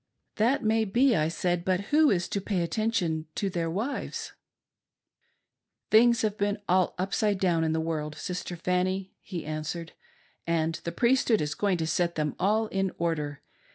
" That may be," I said, " but who is to pay attention to their wives ?"" Things have been all upside down in the world, Sister Fanny," he answered, " and the Priesthood is going to set them all in order.